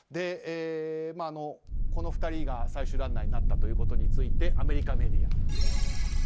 この２人が最終ランナーになったことについてアメリカメディア。